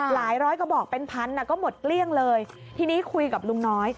ร้อยกระบอกเป็นพันก็หมดเกลี้ยงเลยทีนี้คุยกับลุงน้อย